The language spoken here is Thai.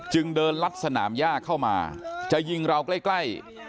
จึงเดินลัดสนามย่าเข้ามาจะยิงเราใกล้